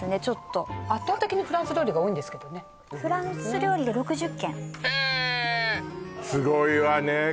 ちょっと圧倒的にフランス料理が多いんですけどねフランス料理が６０軒へえすごいわね